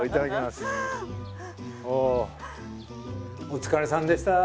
お疲れさんでした。